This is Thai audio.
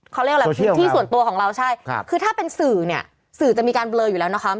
เขาเรียกอะไรผิดที่ส่วนตัวของเราใช่คือถ้าเป็นสื่อเนี่ยสื่อจะมีการเบลออยู่แล้วนะคะ